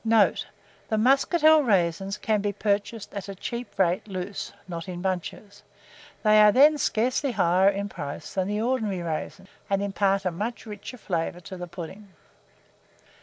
Note. The muscatel raisins can be purchased at a cheap rate loose (not in bunches): they are then scarcely higher in price than the ordinary raisins, and impart a much richer flavour to the pudding.